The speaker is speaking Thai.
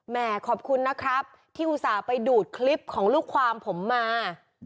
แม่ขอบคุณนะครับที่อุตส่าห์ไปดูดคลิปของลูกความผมมา